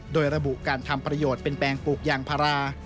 โดยระบุการทำประโยชน์เป็นแปลงปลูกยางพารา